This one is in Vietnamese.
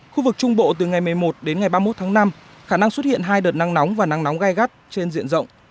khu vực trung bộ từ ngày một mươi một đến ngày ba mươi một tháng năm khả năng xuất hiện hai đợt nắng nóng và nắng nóng gai gắt trên diện rộng